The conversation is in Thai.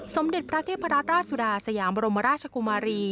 สมเด็จพระเทพรัตราชสุดาสยามบรมราชกุมารี